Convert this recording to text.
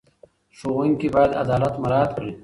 ښوونکي باید عدالت مراعت کړي.